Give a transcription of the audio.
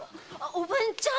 おぶんちゃん。